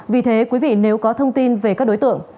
vì thế quý vị nếu có thông tin về các đối tượng